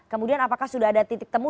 kemudian apakah sudah ada titik temu